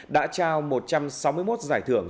đã trao một trăm sáu mươi một giải thưởng